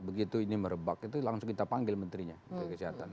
begitu ini merebak itu langsung kita panggil menterinya menteri kesehatan